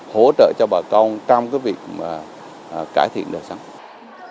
hỗ trợ cho bà con trong cái việc cải thiện đào sản phẩm